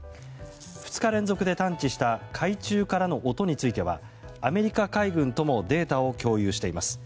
２日連続で探知した海中からの音についてはアメリカ海軍ともデータを共有しています。